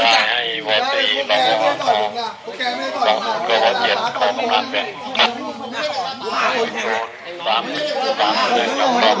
เฮ้ไปจัยเต้อน้อย